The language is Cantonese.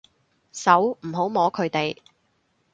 手，唔好摸佢哋